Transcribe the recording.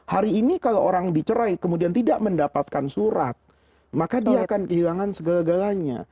hari ini kalau orang dicerai kemudian tidak mendapatkan surat maka dia akan kehilangan segala galanya